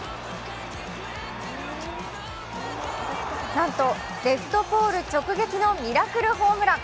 なんとレフトポール直撃のミラクルホームラン